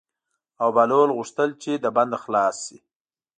او بهلول غوښتل چې له بنده خلاص شي.